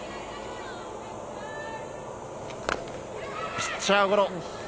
ピッチャーゴロ。